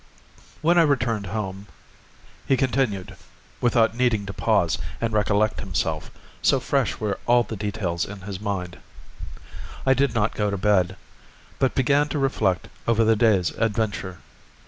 When I returned home (he continued, without needing to pause and recollect himself, so fresh were all the details in his mind), I did not go to bed, but began to reflect over the day's adventure.